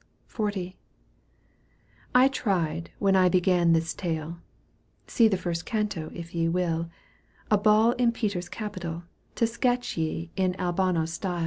XL. I tried when I b^an this tale, (See the first canto if ye will), A ball in Peter's capital, To sketch ye in Albano's style.